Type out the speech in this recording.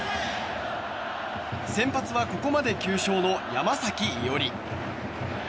先発はここまで９勝の山崎伊織。